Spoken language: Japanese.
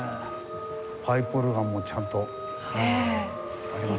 パイプオルガンもちゃんとありますね。